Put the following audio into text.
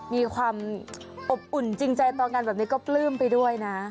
มีความอบอุ่นจริงใจต่องานแบบนี้ก็ปลื้มไปด้วยนะ